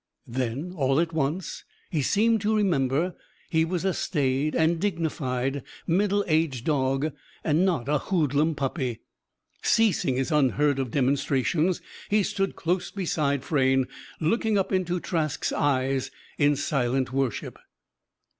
Then, all at once, he seemed to remember he was a staid and dignified middle aged dog and not a hoodlum puppy. Ceasing his unheard of demonstrations, he stood close beside Frayne; looking up into Trask's eyes in silent worship.